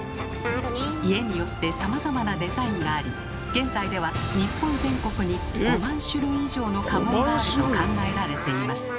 家によってさまざまなデザインがあり現在では日本全国に５万種類以上の家紋があると考えられています。